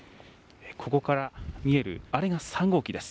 ここから見えるあれが３号機です。